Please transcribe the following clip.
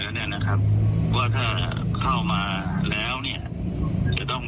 แต่ที่ไม่เลือกมันไม่ใช่เพราะรังเกียจหรือไม่ชอบ